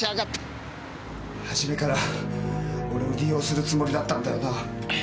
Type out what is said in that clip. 初めから俺を利用するつもりだったんだよな。